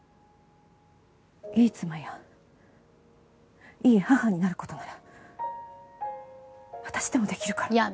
いい妻やいい母になる事なら私でもできるから。